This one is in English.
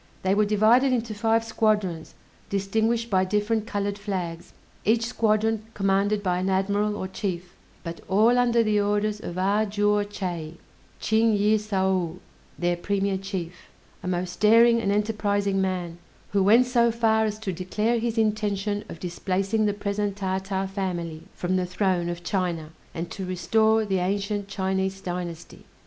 They were divided into five squadrons, distinguished by different colored flags: each squadron commanded by an admiral, or chief; but all under the orders of A juo Chay (Ching yĭh saou), their premier chief, a most daring and enterprising man, who went so far as to declare his intention of displacing the present Tartar family from the throne of China, and to restore the ancient Chinese dynasty.